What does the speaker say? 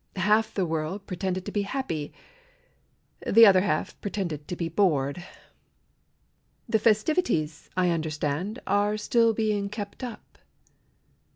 Half the world pretended to be happy, The other half pretended to be bored. The festivities, I understand, Are still being kept up.